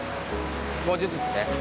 ５０ずつね。